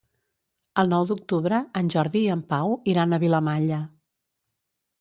El nou d'octubre en Jordi i en Pau iran a Vilamalla.